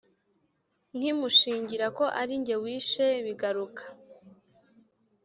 nkimushingira ko ari jye wishe bigaruka